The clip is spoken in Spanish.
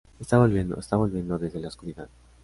Está volviendo, está volviendo desde la oscuridad.